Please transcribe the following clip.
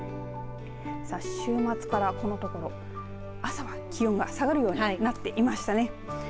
週末からこのところ朝は気温が下がるようになっていましたね。